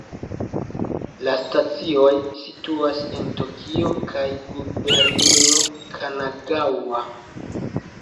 La stacioj situas en Tokio kaj Gubernio Kanagaŭa.